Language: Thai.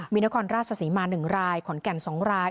มีนครราชศรีมา๑รายขอนแก่น๒ราย